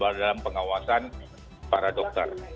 dia harus di dalam pengawasan para dokter